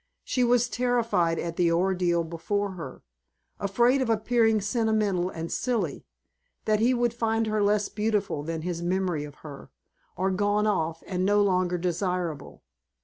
She was terrified at the ordeal before her, afraid of appearing sentimental and silly; that he would find her less beautiful than his memory of her, or gone off and no longer desirable.